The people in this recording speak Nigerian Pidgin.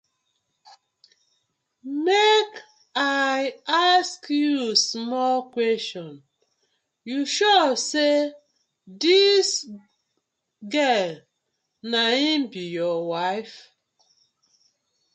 Mek I ask yu small question, yu sure say dis gal na im be yur wife?